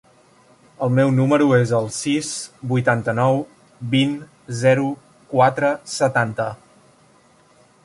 El meu número es el sis, vuitanta-nou, vint, zero, quatre, setanta.